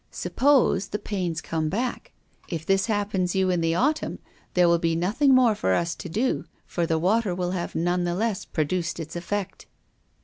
Suppose the pains come back. If this happens you in the autumn, there will be nothing more for us to do, for the water will have none the less produced its effect!"